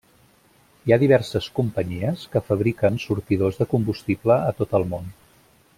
Hi ha diverses companyies que fabriquen sortidors de combustible a tot el món.